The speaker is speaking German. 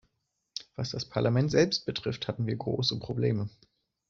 Was das Parlament selbst betrifft, hatten wir große Probleme.